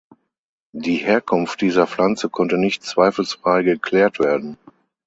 Die Herkunft dieser Pflanze konnte nicht zweifelsfrei geklärt werden.